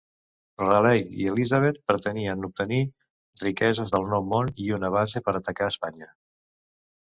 Raleigh i Elizabeth pretenien obtenir riqueses del Nou Món i una base per atacar Espanya.